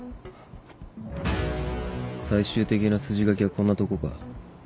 最終的な筋書きはこんなとこか。